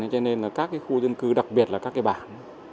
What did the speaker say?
cho nên các khu dân cư đặc biệt là các bản